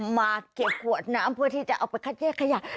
มาเก็บขวดน้ำเพื่อที่จะเอาไปคัดแยกขยะ